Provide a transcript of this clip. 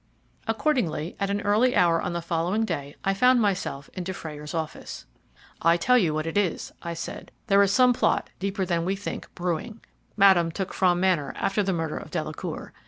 Accordingly, at an early hour on the following day, I found myself in Dufrayer's office. "I tell you what it is," I said, "there is some plot deeper than we think brewing. Madame took Frome Manor after the murder of Delacour.